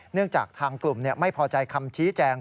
จากทางกลุ่มไม่พอใจคำชี้แจง